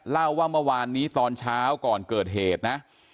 เล่าว่าเมื่อวานนี้ตอนเช้าก่อนเกิดเหตุนะ